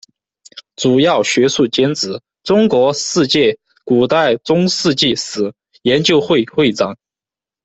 主要学术兼职：中国世界古代中世纪史研究会会长。